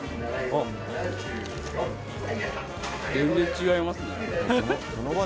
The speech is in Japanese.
あっ、全然違いますね。